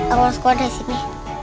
aku mau sekolah dari sini